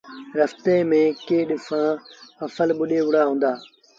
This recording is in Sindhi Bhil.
رستي ميݩ ڪيٚ ڏسآݩ ڦسل ٻُڏي وُهڙآ هُݩدآ۔